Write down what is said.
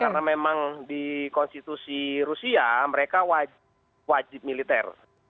karena memang di konstitusi rusia mereka wajib militer